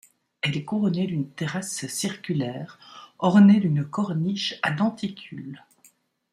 Elle est couronnée d'une terrasse circulaire ornée d'une corniche à denticule.